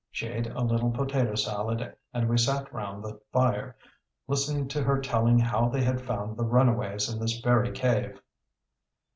She ate a little potato salad and we sat round the fire, listening to her telling how they had found the runaways in this very cave.